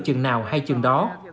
chừng nào hay chừng đó